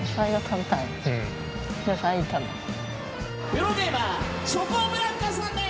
プロゲーマーチョコブランカさんです！